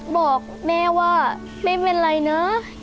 บอกแม่ว่าไม่เป็นไรนะ